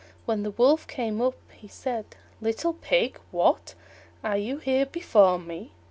When the Wolf came up he said, "Little Pig, what! are you here before me?